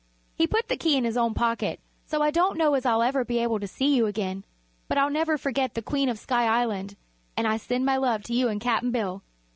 He put the key in his own pocket, so I don't know as I'll ever be able to see you again. But I'll never forget the Queen of Sky Island, and I send my love to you and Cap'n Bill.